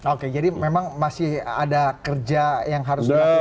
oke jadi memang masih ada kerja yang harus dilakukan